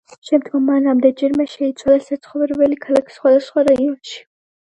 შემდგომ მან რამდენჯერმე შეიცვალა საცხოვრებელი ქალაქი სხვადასხვა რაიონში.